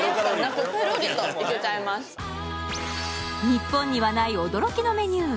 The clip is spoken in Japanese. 日本にはない驚きのメニュー。